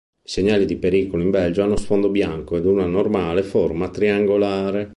I segnali di pericolo in Belgio hanno sfondo bianco ed una normale forma triangolare.